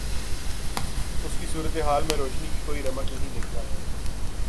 اس کی صورت حال میں روشنی کی کوئی رمق نہیں دیکھتا ہے۔